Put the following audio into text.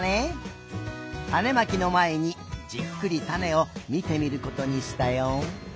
たねまきのまえにじっくりたねをみてみることにしたよ。